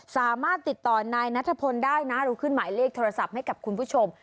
สามารถติดต่อนายนัทพลได้นะเราขึ้นหมายเลขโทรศัพท์ให้กับคุณผู้ชม